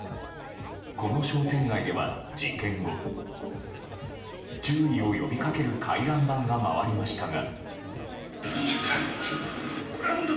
この商店街では事件後、注意を呼び掛ける回覧板が回りましたが。